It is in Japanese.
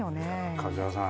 梶原さん